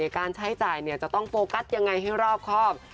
การใช้จ่ายจะต้องโฟกัสยังไงให้รอบครอบ